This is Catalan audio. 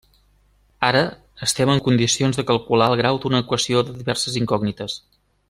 Ara estem en condicions de calcular el grau d'una equació de diverses incògnites.